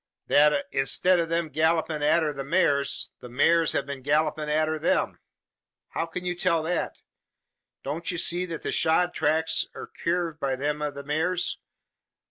"That i'stead o' them gallupin' arter the maars, the maars hev been gallupin' arter them." "How can you tell that?" "Don't ye see that the shod tracks air kivered by them o' the maars?